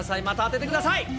また当ててください。